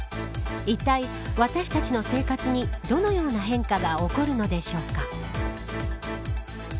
いったい私たちの生活にどのような変化が起こるのでしょうか。